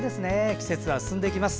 季節は進んでいきます。